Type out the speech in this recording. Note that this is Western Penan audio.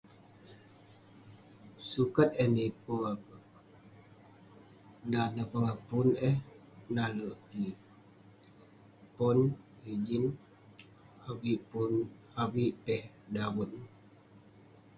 Sukat eh mipe akouk, dan neh pongah pun eh..nalek kik, pon ijin, avik peh eh daven